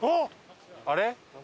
あれ？